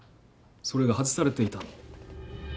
それが外されていた。